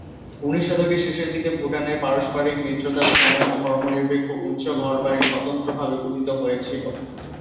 উনিশ শতকের শেষের দিকে ভুটানের পারস্পরিক মিত্রতার সময়ে ধর্মনিরপেক্ষ উচ্চ ঘরবাড়ি স্বতন্ত্রভাবে উদিত হয়েছিল।